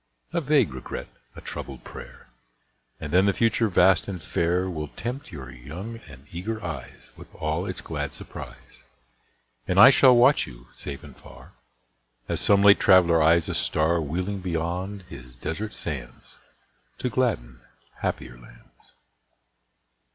A vague regret, a troubled prayer, And then the future vast and fair Will tempt your young and eager eyes With all its glad surprise. And I shall watch you, safe and far, As some late traveller eyes a star Wheeling beyond his desert sands To gladden happier lands.